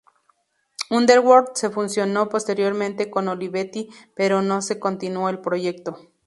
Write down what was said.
Underwood se fusionó posteriormente con Olivetti, pero no se continuó el proyecto.